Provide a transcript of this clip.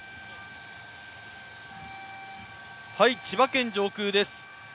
千葉県上空です。